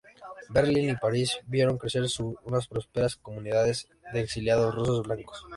Berlín y París vieron crecer unas prósperas comunidades de exiliados rusos blancos.